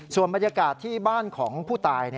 ส่วนบรรยากาศที่บ้านของผู้ตาย